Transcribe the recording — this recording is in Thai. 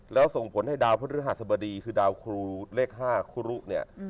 แล้วส่งผลให้ดาวพฤหัสบดีคือดาวครูเลข๕ครูรุเนี่ย